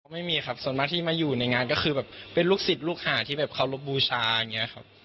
ไม่มีครับส่วนมากที่มาอยู่ในงานก็คือแบบเป็นลูกศิษย์ลูกหาที่แบบเคารพบูชาอย่างนี้ครับ